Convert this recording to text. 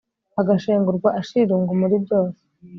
agashengurwa ashira irungu muri byose